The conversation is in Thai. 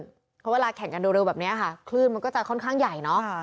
เพราะเวลาแข่งกันเร็วแบบนี้ค่ะคลื่นมันก็จะค่อนข้างใหญ่เนอะ